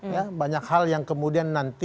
ya banyak hal yang kemudian nanti